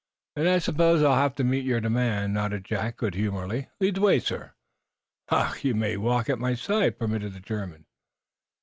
'" "Then I suppose I'll have to meet your demand," nodded Jack, good humoredly. "Lead the way, sir." "Ach! You may walk at my side," permitted the German.